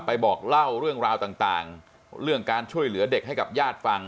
บอกเล่าเรื่องราวต่างเรื่องการช่วยเหลือเด็กให้กับญาติฟัง